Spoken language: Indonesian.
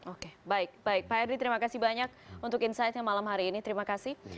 oke baik baik pak hedri terima kasih banyak untuk insightnya malam hari ini terima kasih